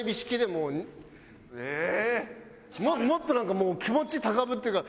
もっとなんかもう気持ち高ぶるっていうか。